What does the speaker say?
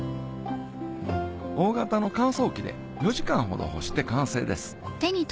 大型の乾燥機で４時間ほど干して完成です